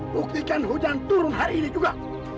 buktikan hujan turun hari ini juga